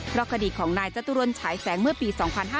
เพราะคดีของนายจตุรนฉายแสงเมื่อปี๒๕๕๙